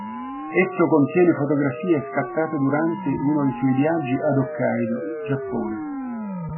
Esso contiene fotografie scattate durante uno dei suoi viaggi ad Hokkaidō, Giappone.